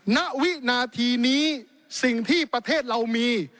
ณวินาทีนี้สิ่งที่ประเทศเรามี